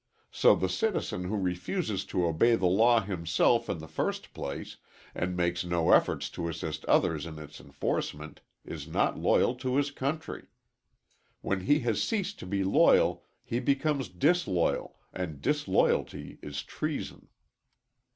So the citizen who refuses to obey the law himself in the first place, and makes no efforts to assist others in its enforcement, is not loyal to his country. When he has ceased to be loyal he becomes disloyal, and disloyalty is treason.